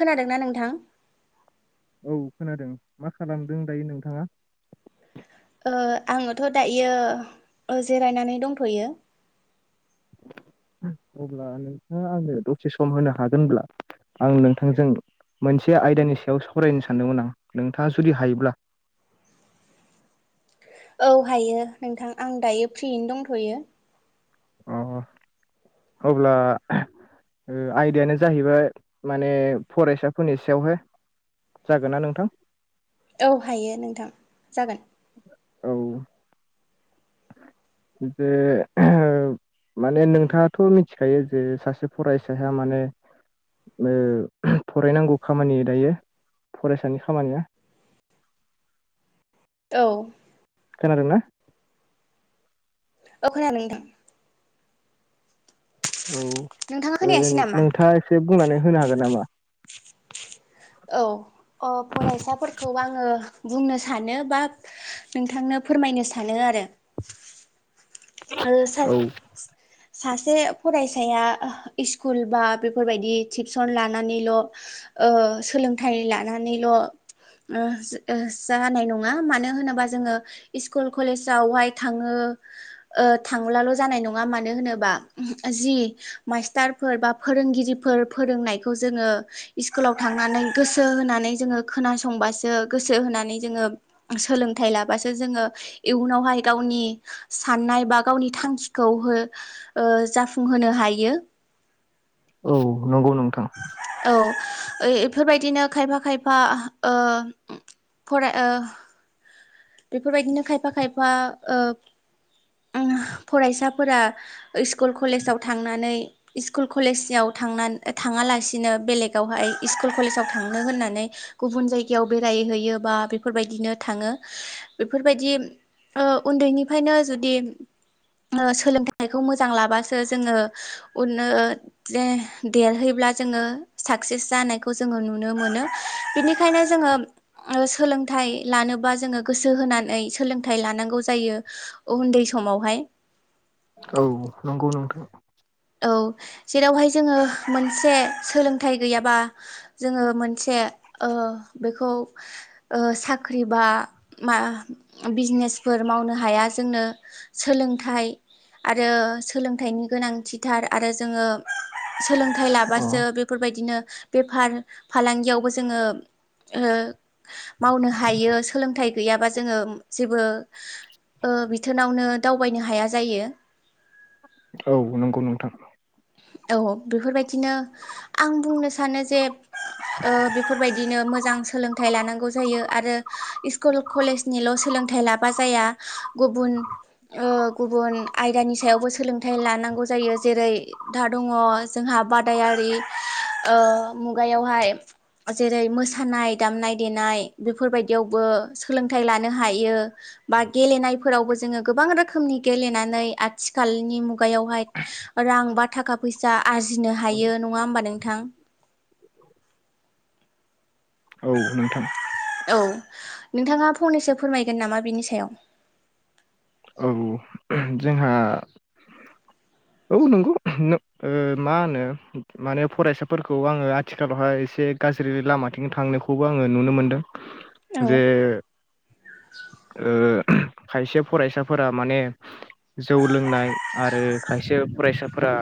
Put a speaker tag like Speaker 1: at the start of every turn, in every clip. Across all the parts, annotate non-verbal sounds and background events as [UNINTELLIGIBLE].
Speaker 1: खोनादोंना नोंथां?
Speaker 2: औ खोनादों मा खालामदों दायो नोंथाङा?
Speaker 1: ओ आङोथ' दायो जिरायनानै दंथ'यो-
Speaker 2: अब्ला नोंथाङा आंनो दसे सम होनो हागोनब्ला आं नोंथांजों मोनसे आयदानि सायाव सावरायनो सानदोंमोन आं नोंथाङा जुदि हायोब्ला।
Speaker 1: [INAUDIBLE] औ हायो नोंथां आं दायो फ्रियैनो दंथ'यो।
Speaker 2: अ अब्ला। ओ आयदायानो जाहैबाय माने फरायसाफोरनि सायावहाय जागोन ना नोंथां?
Speaker 1: औ हायो नोंथां जागोन।
Speaker 2: औ जे ओ माने नोंथाङाथ' मिथिखायो जे सासे फरायसाया माने ओ फरायनांगौ खामानि दायो फरायसानि खामानिया।
Speaker 1: [INAUDIBLE] औ
Speaker 2: खोनादोंना?
Speaker 1: ओ खोनादों नोंथां
Speaker 2: औ
Speaker 1: नोंथाङा
Speaker 2: ओ
Speaker 1: खोनायासै नामा
Speaker 2: नोंथाङा एसे बुंनानै होनो हागोन नामा?
Speaker 1: औ अ फरायसाफोरखौ आङो बुंनो सानो बा नोंथांनो फोरमायनो सानो आरो आरो
Speaker 2: औ
Speaker 1: सासे फरायसाया स्कुल बा बेफोरबायदि टिउसन लानानैल' ओ सोलोंथाइ लानानैल' ओ ओ जानाय नङा मानो होनोबा जोङो स्कुल कलेजावहाय थाङो ओ ओ थांलाल' जानाय नङा मानो होनोबा ओ जि मास्टारफोर बा फोरोंगिरिफोर फोरोंनायखौ जोङो स्कुलाव थांनानै गोसो होनानै जोङो खोनासंबासो गो सो होनानै जोङो सोलोंथाइ लाबासो जोङो इयुनावहाय गावनि साननाय बा गावनि थांखिखौ हो ओ जाफुंहोनो हायो।
Speaker 2: औ नंगौ नोंथां
Speaker 1: औ एफोरबायदिनो खायफा खायफा ओ फराय ओ बेफोरबायदिनो खायफा खायफा ओ ओ फरायसाफोरा स्कुल कलेजाव थांनानै स्कुल कलेजयाव थांना थाङालासिनो बेलेगावहाय स्कुल कलेजाव थांनो होननानै गुबुन जायगायाव बेराय हैयो बा बेफोरबायदिनो थाङो बेफोरबायदि ओ उन्दैनिफ्रायनो जुदि ओ सोलोंथाइखौ मोजां लाबासो जोङो उन ओ जे दे-देरहै ब्ला जोङो साक्सेस जानायखौ जोङो नुनो। मोननिखायनो जोङों ओ सोलों थाइ लानोबा जोङो गोसो होनानै सोलोंथाइ लानांगौ जायो। उन्दै समावहाय
Speaker 2: औ नंगौ नोंथां
Speaker 1: औ जेरावहाय जोङो मोनसे सोलोंथाइ गैयाबा जोङो मोनसे ओं बेखौ ओ साख्रि बा मा बिजनेसफोर मावनो हाया। जोंनो सोलोंथाइ आरो सोलोंथाइनि गोनांथि थार आरो जोङो सोलोंथाइ
Speaker 2: अ
Speaker 1: लाबासो बेफोरबायदिनो बेफार फालांगियावबो जोङो ओ मावनो हायो सोलोंथाइ गैयाबा जोङो जेबो ओ बिथोनावनो दावबायनो हाया जायो।
Speaker 2: औ नंगौ नोंथां औ
Speaker 1: औ बेफोरबायदिनो आं बुंनो सानो जे ओ बेफोरबायदिनो मोजां सोलोंथाइ लानांगौ जायो आरो स्कुल कलेजनिल' सोलोंथाइ लाबा जाया गुबुन ओ गुबुन आयदानि सायावबो सोलोंथाइ लानांगौ जायो जेरै दा दङ जोंहा बादायारि ओ मुगायावहाय जेरै मोसानाय दामनाय देनाय बेफोरबायदियावबो सोलोंथाइ लानो हायो। बा गेलेनायफोरावबो जोङो गोबां रोखोमनि गेलेनानै आथिखालनि मुगायावहाय रांबा थाखा फैसा आरजिनो हायो नङा होमबा नोंथां
Speaker 2: औ नोंथां
Speaker 1: औ नोंथाङा फंनैसो फोरमायगोन नामा बिनि सायाव
Speaker 2: औ जोंहा
Speaker 1: औ
Speaker 2: औ नंगौ मा होनो ओ माने फरायसाफोरखौ आङो आथिखालावहाय एसे गाज्रि लामाथिं थांनायखौबो आङो नुनो मोन्दों
Speaker 1: औ
Speaker 2: जे ओ खायसे फरायसाफोरा माने जौ लोंनाय आरो खायसे फरायसाफोरा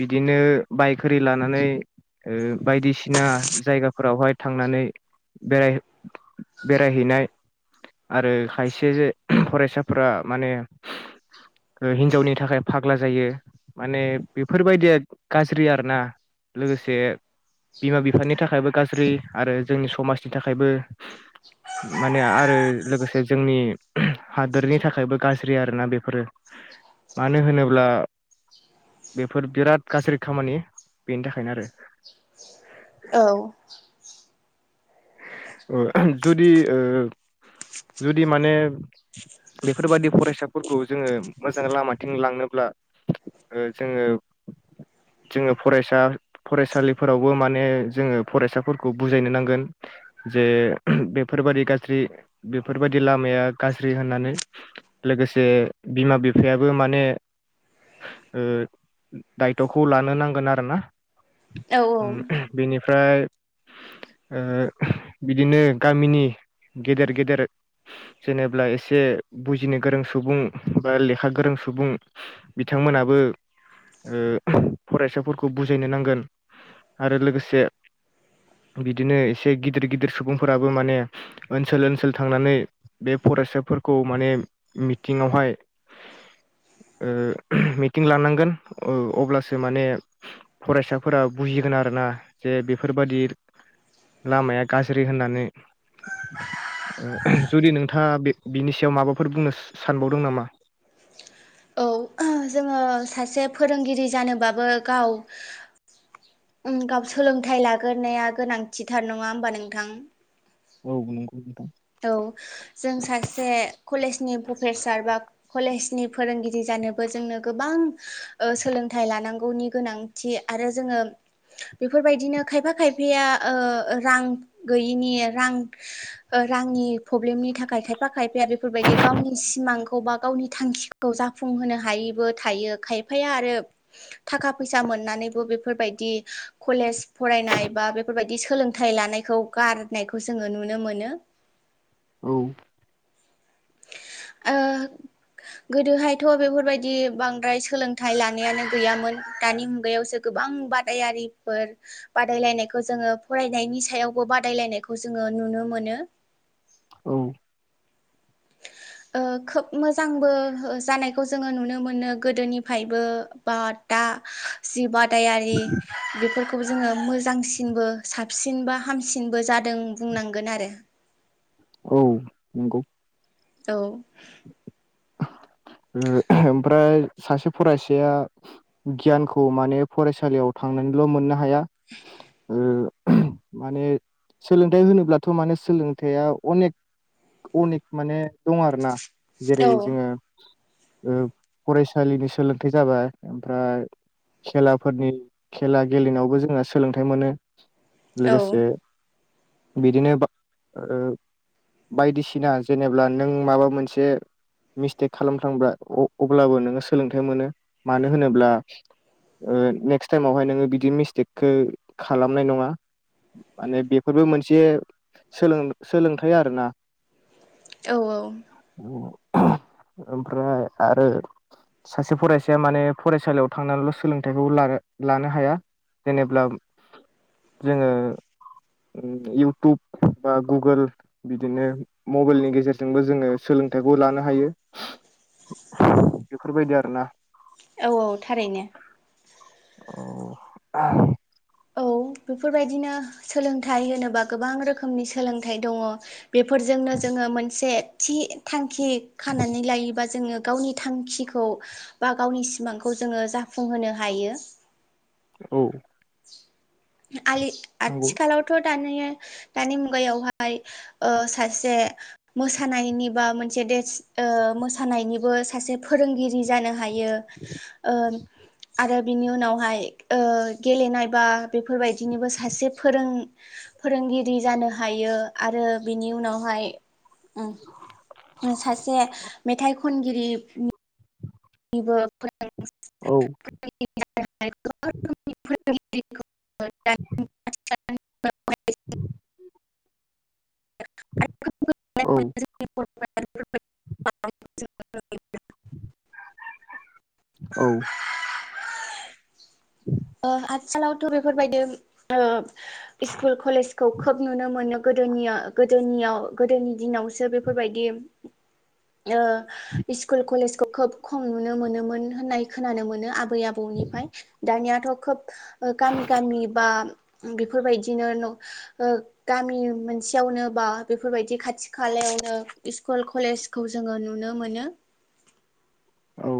Speaker 2: बिदिनो बायक होरि लानानै ओ बायदिसिना जायगाफोरावहाय थांनानै बेराय बेरायहैनाय आरो खायसे फरायसाफोरा माने हिनजावनि थाखाय फाग्ला जायो माने बेफोरबायदिया गाज्रि आरो ना लोगोसे बिमा बिफानि थाखायबो गाज्रि आरो जोंनि समाजनि थाखायबो माने आरो लोगोसे जोंनि हादोरनि थाखायबो गाज्रि आरोना बेफोरो मानो होनोब्ला बेफोर बिराद गाज्रि खामानि बेनि थाखायनो आरो
Speaker 1: औ
Speaker 2: उम जुदि ओ जुदि माने बेफोरबादि फरायसाफोरखौ जोङो मोजां लामाथिं लांनोब्ला ओ जोङो
Speaker 1: [INAUDIBLE]
Speaker 2: जोङो फरायसा फरायसालिफोरावबो माने जोङो फरायसाफोरखौ बुजायनो नांगोन जे बेफोरबायदि गाज्रि बेफोरबायदि लामाया गाज्रि होननानै लोगोसे बिमा बिफायाबो माने ओ दायथ'खौ लानो नांगोन आरो ना
Speaker 1: औ
Speaker 2: उम बेनिफ्राय ओ बिदिनो गामिनि गेदेर गेदेर जेनेबा एसे बुजिनो गोरों सुबुं बा लेखा गोरों सुबुं बिथां बिथांमोनाबो ओ फरायसाफोरखौ बुजायनो नांगोन आरो लोगोसे बिदिनो एसे गिदिर गिदिर सुबुंफोराबो माने ओनसोल ओनसोल थांनानै बे फरायसाफोरखौ माने मिथिंआवहाय
Speaker 1: [INAUDIBLE]
Speaker 2: ओ मिटिं लानांगोन अब्लासो माने फरायसाफोरा बुजियो थिगोन आरोना जे बेफोरबादि लामाया गाज्रि होननानै ओ जुदि नोंथाङा बिनि सायाव माबाफोर बुंनो सानबावदों नामा
Speaker 1: औ जोङो ओह सासे फोरोंगिरि जानोबाबो गाव उम गाव सोलोंथाइ लाग्रोनाया गोनांथिथार नङा होमबा नोंथां
Speaker 2: औ नंगौ नोंथां
Speaker 1: औ जों सासे कलेजनि प्रफेसार बा कलेजनि फोरोंगिरि जा जानोबो जोंनो गोबां सोलोंथाइ लानांगौनि गोनांथि आरो जोङो बेफोरबायदिनो खायफा खायफाया ओ रां गैयिनि रां ओ रांनि प्रब्लेमनि थाखाय खायफा खायफाया बेफोरबायदि गावनि सिमांखौ बा गावनि थांखिखौ जाफुंहोनो हायैबो थायो खायफाया आरो थाखा फैसा मोननानैबो बेफोरबायदि कलेज फरायनाय बा बेफोरबायदि सोलोंथाइ लानायखौ गारनायखौ जोङो नुनो मोनो
Speaker 2: औ
Speaker 1: आ गोदोहायथ' बेफोरबायदि बांद्राय सोलोंथाइ लानायानो गैयामोन दानि मुगायावसो गोबां गोबां बादायारिफोर बादायलायनायखौ जोङो फरायनायनि सायावबो बादायलायनायखौ जोङो नुनो मोनो
Speaker 2: औ
Speaker 1: ए खोब मोजांबो जानायखौ जोङो नुनो मोनो गोदोनिफ्रायबो बा दा सि बादायारि खौ जोङो मोजांसिनबो साबसिन बा हामसिनबो जादों बुंनांगोन आरो
Speaker 2: औ नंगौ
Speaker 1: औ
Speaker 2: ओमफ्राय सासे फरायसाया गियानखौ माने फरायसालियाव थां थांनानैल' मोननो हाया माने सोलोंथाइ होनोब्लाथ' माने सोलोंथाइया अनेक अनेक माने दं आरोना जेरै
Speaker 1: औ
Speaker 2: जोङो फरायसालिनि सोलोंथाइ जाबाय ओमफ्राय खेलाफोरनि खेला गेलेनायावबो जोंहा सोलोंथाइ मोनो
Speaker 1: औ
Speaker 2: लोगोसे बिदिनो बायदिसिना जेनेबा नों माबा मोनसे मिस्टेक खालाम थां अब्लाबो नोङो सोलोंथाइ मोनो मानो होनोब्ला नेक्स्ट टाइमावहाय नोङो बिदि मिस्टेकखौ खालामनाय नङा माने बेफोरबो मोनसे सोलों सोलोंथाइ आरोना
Speaker 1: औ
Speaker 2: औ ओमफ्राय आरो सासे फरायसाया माने फरायसालियाव थांनानैल' सोलोंथाइखौ लानो हाया जेनेब्ला जोङो इउटुब बा गुगोल बिदिनो मबाइलनि गेजेरजोंबो जोङो सोलों सोलोंथाइखौ लानो हायो बेफोरबायदि आरो ना
Speaker 1: औ औ थारैनो
Speaker 2: औ
Speaker 1: औ बेफोरबायदिनो सोलोंथाइ होनोबा गोबां रोखोमनि सोलोंथाइ दङ बेफोरजोंनो जोङो मोनसे थि थांखि खानानै लायोबा जोङो गावनि थांखिखौ बा गावनि सिमांखौ जोङो जाफुंहोनो हायो
Speaker 2: औ
Speaker 1: आलि
Speaker 2: नंगौ
Speaker 1: आथिखालावथ' दानि मुगायावहाय सासे मोसानायनि बा मोनसे मोसानायनिबो सासे फोरोंगिरि जानो हायो आरो बिनि उनावहाय गेलेनायबा बेफोरबायदिनोबो सासे फोरों फोरोंगिरि जानो हायो आरो बिनि उनावहाय सासे मेथाइ खनगिरि
Speaker 2: औ
Speaker 1: [INAUDIBLE] [INAUDIBLE] [INAUDIBLE]
Speaker 2: [INAUDIBLE] औ
Speaker 1: [INAUDIBLE]
Speaker 2: औ
Speaker 1: आथिखालावथ' बेफोरबायदि स्कुल, कलेजखौ खोब नुनो मोनो गोदोनि-गोदोयाव - गोदोनि दिनावसो बेफोरबायदि ओ स्कुल, कलेजखौ खोब खम नुनो मोनोमोन। होननाय खोनानो मोनो आबै आबौनिफ्राय दानियाथ' खोब गामि-गामि बा बेफोरबायदिनो गामि मोनसेयावनो बा बेफोरबायदि खाथि खालायाव स्कुल, कलेजखौ जोङो नुनो मोनो।
Speaker 2: औ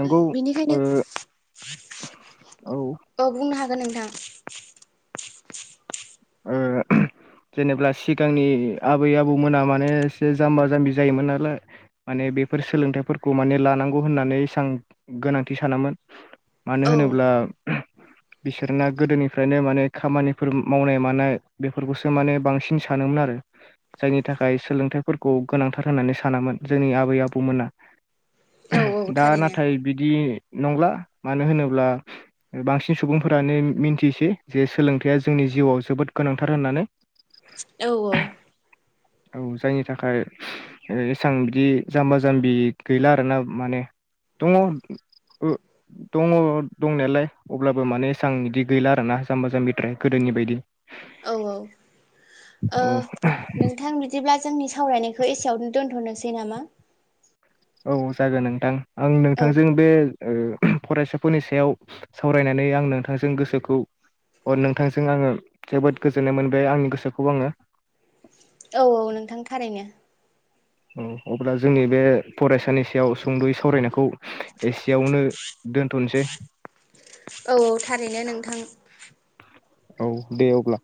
Speaker 2: नंगौ
Speaker 1: बेनिखायनो
Speaker 2: ओ
Speaker 1: औ बुंनो हागोन हागोन नोंथां [UNINTELLIGIBLE]
Speaker 2: जेनेबा सिगांनि आबै-आबौमोना माने एसे जाम्बा - जाम्बि जायोमोन नालाय माने बेफोर सोलोंथाइफोरखौ माने लानांगौ होननानै एसेबां गोनांथि सानामोमोन। मानो
Speaker 1: औ
Speaker 2: होनोब्ला बिसोरना गोदोनिफ्रायनो माने खामानिफोर मावनाय -मानाय बेफोरखौसो माने बांसिन सानोमोन आरो। जायनि थाखाय सोलोंथाइफोरखौ गोनांथार होननानै सानामोन जोंनि आबै-आबौमोना।
Speaker 1: औ
Speaker 2: दा
Speaker 1: थारैनो
Speaker 2: नाथाय बिदि नंला मानो होनोब्ला बांसिन सुबुंफोरानो मिन्थिसै जे सोलोंथाइया जोंनि जिउआव जोबोद गोनांथार होननानै।
Speaker 1: औ-औ।
Speaker 2: औ जायनि थाखाय एसां बिदि जाम्बा-जाम्बि गैला आरोना माने दङ' ओ दङ' दंनायालाय अब्लाबो माने एसां बिदि गैला आरोना जाम्बा-जाम्बिद्राय गोदो नि बायदि।
Speaker 1: औ-औ ओ
Speaker 2: औ
Speaker 1: नोंथां बि दिब्ला जोंनि सावरायनायखौ एसेयावनो दोन्थ'नोसै नामा?
Speaker 2: औ जागोन नोंथां आं
Speaker 1: औ
Speaker 2: नोंथांजों बे ओ फरायसाफोरनि सायाव सावरायनानै आं नोंथांजों गोसोखौ अ नोंथांजों आंङो जोबोद गोजोननाय मोनबाय आंनि गोसोखौ आंङो।
Speaker 1: औ-औ नोंथां थारैनो।
Speaker 2: औ अब्ला जोंनि बे फरायसानि सायाव सुंद'यै सावरायनायखौ एसेयावनो दोनथ'नोसै
Speaker 1: औ-औ थारैनो नोंथां।
Speaker 2: औ दे अब्ला।